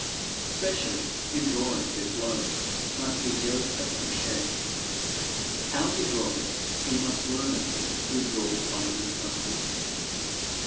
Specially in drawing this load must his yoke fellow share. How to draw it, he must learn of him who draws by his side.